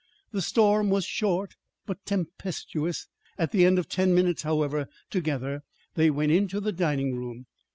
The storm was short, but tempestuous. At the end of ten minutes, however, together they went into the dining room.